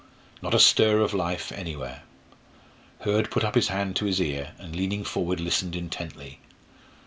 Not a stir of life anywhere. Hurd put up his hand to his ear, and leaning forward listened intently.